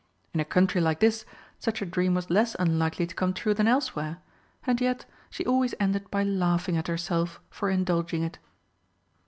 In a country like this, such a dream was less unlikely to come true than elsewhere, and yet she always ended by laughing at herself for indulging it.